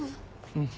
うん。